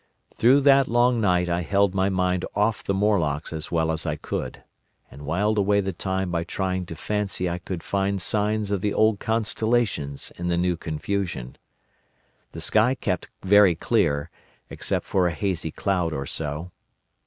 "Through that long night I held my mind off the Morlocks as well as I could, and whiled away the time by trying to fancy I could find signs of the old constellations in the new confusion. The sky kept very clear, except for a hazy cloud or so.